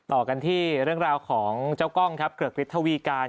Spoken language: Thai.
ต่อกันที่เรื่องราวของเจ้ากล้องครับเกือกฤทธวีการ